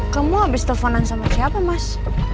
kamu abis teleponan sama siapa mas